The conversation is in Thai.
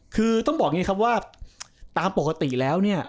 คือต้องบอกอย่างนี้ครับว่าตามปกติแล้วเนี่ย